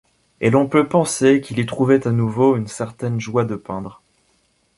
Et l’on peut penser qu’il y trouvait à nouveau une certaine joie de peindre.